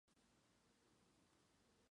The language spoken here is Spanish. Económicamente, Bolivia estaba quebrada.